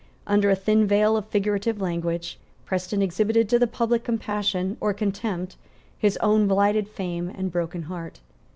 Under a thin veil of figurative language, Preston exhibited to the public compassion or contempt his own blighted fame and broken heart.